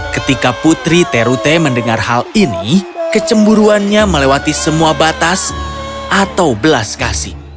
ketika putri terute mendengar hal ini kecemburuannya melewati semua batas atau belas kasih